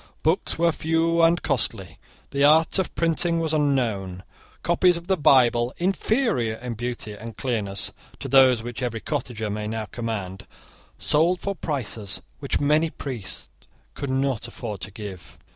Books were few and costly. The art of printing was unknown. Copies of the Bible, inferior in beauty and clearness to those which every cottager may now command, sold for prices which many priests could not afford to give.